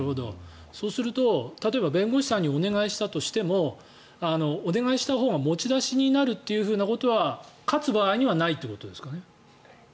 そうすると、例えば弁護士さんにお願いしたとしてもお願いしたほうが持ち出しになるということは勝つ場合にはないということですね。